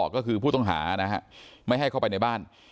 ก็คือผู้ต้องหานะฮะไม่ให้เข้าไปในบ้าน